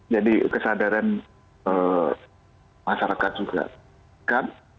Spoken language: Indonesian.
jadi kesadaran masyarakat juga dekat